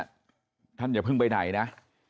ท่านผู้ชมท่านอย่าเพิ่งไปไหนนะ